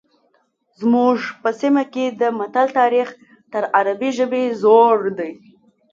زموږ په سیمه کې د متل تاریخ تر عربي ژبې زوړ دی